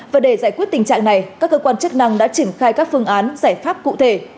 và để giải quyết tình trạng này các cơ quan chức năng đã triển khai các phương án giải pháp cụ thể